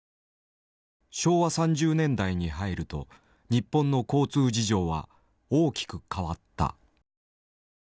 昭和３０年代に入ると日本の交通事情は大きく変わった。